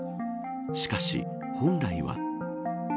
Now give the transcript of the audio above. しかし、本来は。